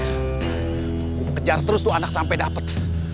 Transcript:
gue kejar terus tuh anak sampai dapet